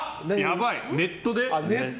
ネットで？